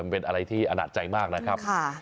เป็นอะไรที่อนาจใจมากนะครับ